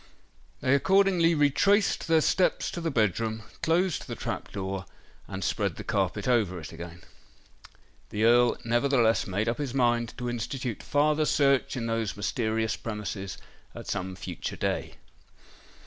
They accordingly retraced their steps to the bed room, closed the trap door, and spread the carpet over it again. The Earl nevertheless made up his mind to institute farther search in those mysterious premises at some future day.